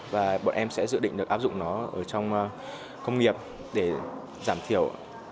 và bọn em sẽ dự định được áp dụng nó ở trong công nghiệp để giảm thiểu